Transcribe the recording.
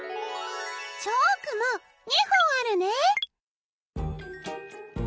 チョークも２ほんあるね。